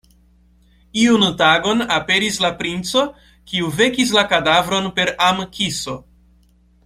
Iun tagon aperis la Princo, kiu vekis la kadavron per am-kiso.